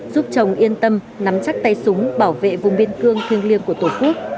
giúp chồng yên tâm nắm chắc tay súng bảo vệ vùng biên cương thiêng liêng của tổ quốc